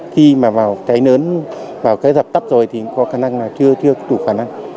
khi mà vào cháy lớn vào cái dập tắt rồi thì có khả năng là chưa có đủ khả năng